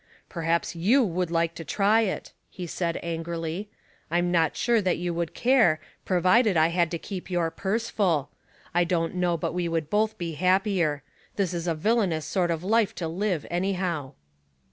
*' Perhaps you would like to try it," he said, angrily. " I'm not sure that you would care. 294 Household Puzzles, provided 1 had to keep your purse full. I don't know but we would both be hiippier. This is a villainous sort of life to live anyhow.''